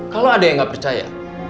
kalau ada yang nggak percaya